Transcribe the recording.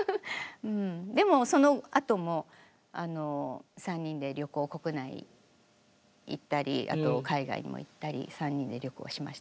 でもそのあとも３人で旅行国内行ったりあと海外にも行ったり３人で旅行しましたね。